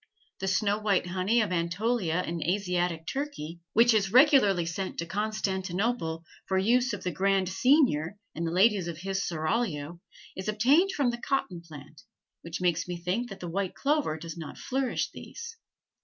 The snow white honey of Anatolia in Asiatic Turkey, which is regularly sent to Constantinople for the use of the grand seignior and the ladies of his seraglio, is obtained from the cotton plant, which makes me think that the white clover does not flourish these.